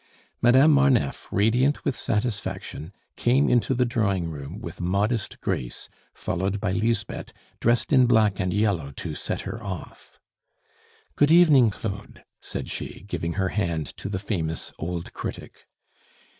Madame Marneffe, radiant with satisfaction, came into the drawing room with modest grace, followed by Lisbeth dressed in black and yellow to set her off. "Good evening, Claude," said she, giving her hand to the famous old critic.